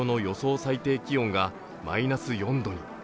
最低気温がマイナス４度に。